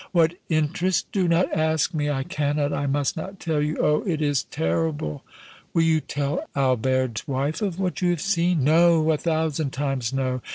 "What interest? Do not ask me. I cannot, I must not tell you! Oh! it is terrible!" "Will you tell Albert's wife of what you have seen?" "No! a thousand times no!